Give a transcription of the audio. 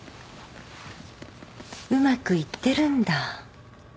うまくいってるんだ？